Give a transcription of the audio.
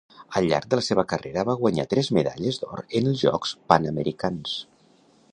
Al llarg de la seva carrera va guanyar tres medalles d'or en els Jocs Panamericans.